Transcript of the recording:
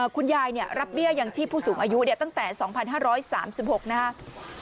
คุณยายรับเบี้ยอย่างที่ผู้สูงอายุตั้งแต่๒๕๓๖บาท